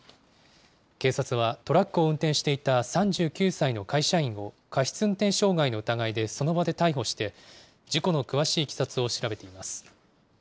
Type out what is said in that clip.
警察はトラックを運転していた３９歳の会社員を、過失運転傷害の疑いでその場で逮捕して、事故の詳しいいきさつを調べています。